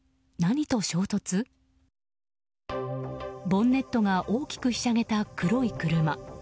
ボンネットが大きくひしゃげた黒い車。